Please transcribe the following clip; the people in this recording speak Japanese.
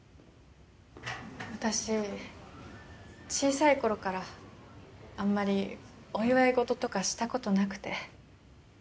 私小さい頃からあんまりお祝い事とかしたことなくて。